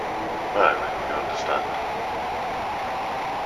Now, you understand.